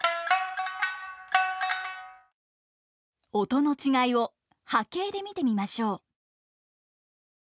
音の違いを波形で見てみましょう。